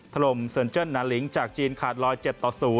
ถล่มเซินเจิ้นนาลิงจากจีนขาดลอย๗ต่อ๐